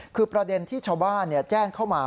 คือประเด็นที่ชาวบ้านแจ้งเข้ามา